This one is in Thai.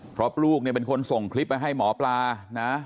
เพราะลูกเนี่ยเป็นคนส่งคลิปมาให้หมอปลานะ